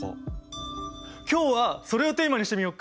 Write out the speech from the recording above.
今日はそれをテーマにしてみようか。